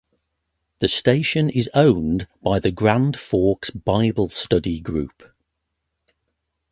The station is owned by the Grand Forks Bible Study Group.